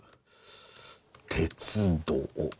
鉄道。